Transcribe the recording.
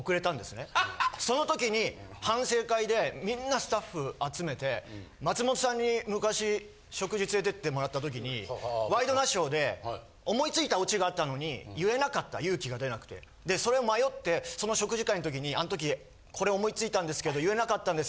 その時に反省会でみんなスタッフ集めて松本さんに昔食事連れてってもらった時に『ワイドナショー』で思いついたオチがあったのに言えなかった勇気が出なくてそれを迷ってその食事会の時にあん時これ思いついたんですけど言えなかったんですよ